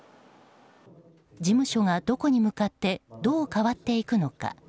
事務所がどこに向かってどう変わっていくのか。